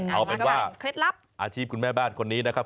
อ๋อเอาเป็นว่าอาชีพคุณแม่บ้านคนนี้นะครับ